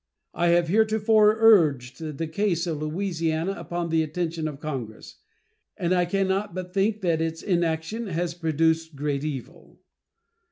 I have heretofore urged the case of Louisiana upon the attention of Congress, and I can not but think that its inaction has produced great evil.